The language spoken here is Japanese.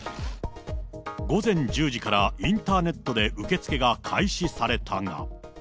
午前１０時からインターネットで受け付けが開始されたが。